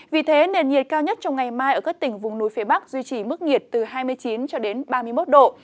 vì thế nền nhiệt cao nhất trong ngày mai ở các tỉnh vùng núi phía bắc duy trì mức nhiệt từ hai mươi chín cho đến ba mươi một độ